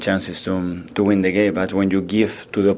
tapi ketika anda memberikan ke musuh lagi